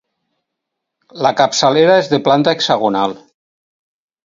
La capçalera és de planta hexagonal.